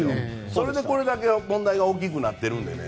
それでこれだけ問題が大きくなってるのでね。